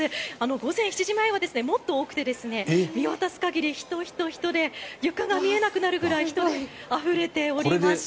午前７時前はもっと多くて見渡す限り人、人、人で床が見えなくなるくらい人であふれていました。